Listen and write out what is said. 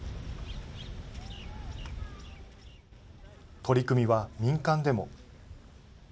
取り組みは民間でも。